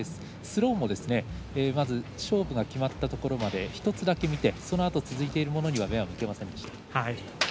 スローも勝負が決まったところまで、１つだけ見てそのあと続いているものには目を向けませんでした。